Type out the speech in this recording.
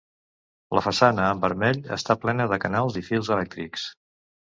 La façana en vermell, està plena de canals i fils elèctrics.